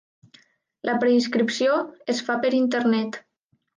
La preinscripció es fa per internet.